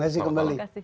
terima kasih kembali